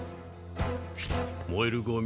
もえるゴミ。